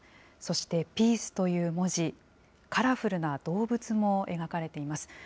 そしてピースという文字、カラフルな動物も描かれています。